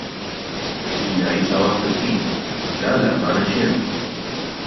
بینایی چاوان پرسی: لالە ئەمانە کێن؟